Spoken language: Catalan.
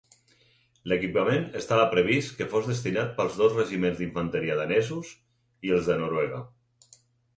L'equipament estava previst que fos destinat pels dos regiments d'infanteria danesos i els de Noruega.